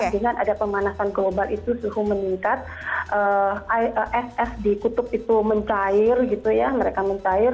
dengan ada pemanasan global itu suhu meningkat ss di kutub itu mencair gitu ya mereka mencair